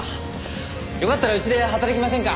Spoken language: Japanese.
よかったらうちで働きませんか？